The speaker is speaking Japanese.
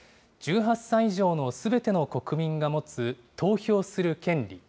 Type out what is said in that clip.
１８歳以上のすべての国民が持つ投票する権利。